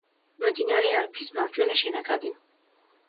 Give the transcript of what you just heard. მდინარე არფის მარჯვენა შენაკადი.